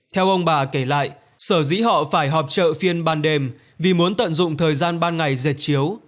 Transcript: theo ông bà kể lại sở dĩ họ phải họp trợ phiên ban đêm vì muốn tận dụng thời gian ban ngày dệt chiếu